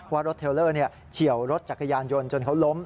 ว่ารถเทลเลอร์เฉียวรถจักรยานยนต์จนเขาล้ม